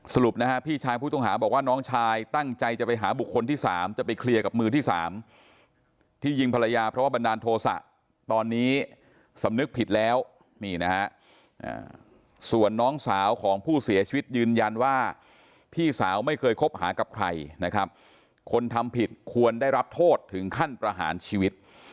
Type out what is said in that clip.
สรุปนะฮะพี่ชายผู้ต้องหาบอกว่าน้องชายตั้งใจจะไปหาบุคคลที่๓จะไปเคลียร์กับมือที่สามที่ยิงภรรยาเพราะว่าบันดาลโทษะตอนนี้สำนึกผิดแล้วนี่นะฮะส่วนน้องสาวของผู้เสียชีวิตยืนยันว่าพี่สาวไม่เคยคบหากับใครนะครับคนทำผิดควรได้รับโทษถึงขั้นประหารชีวิต